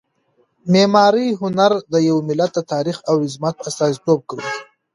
د معمارۍ هنر د یو ملت د تاریخ او عظمت استازیتوب کوي.